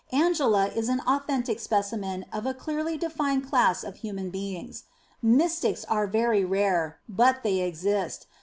Angela is an authentic specimen of a clearly defined class of human beings. Mystics are very rare, but they exist.